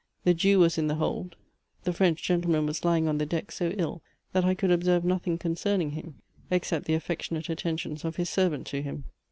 The Jew was in the hold: the French gentleman was lying on the deck so ill, that I could observe nothing concerning him, except the affectionate attentions of his servant to him.